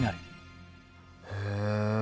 へえ。